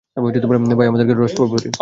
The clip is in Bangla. ভাই, আমাকে রাসপবেরি।